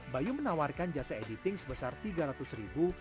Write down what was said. bayu menawarkan jasa editing sebesar tiga ratus ribu